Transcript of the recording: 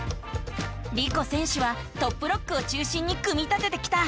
リコ選手はトップロックを中心に組み立ててきた。